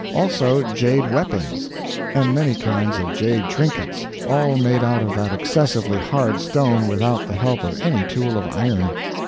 Also jade weapons, and many kinds of jade trinkets all made out of that excessively hard stone without the help of any tool of iron.